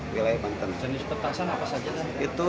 jenis petasan apa saja